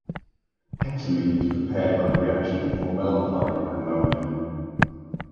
Hexamine is prepared by the reaction of formaldehyde and ammonia.